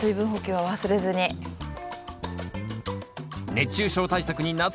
熱中症対策に夏野菜。